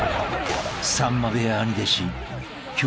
［さんま部屋兄弟子］